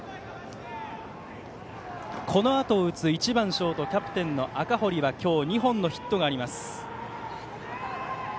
このあとを打つ１番ショートキャプテンの赤堀には今日２本のヒットがあります。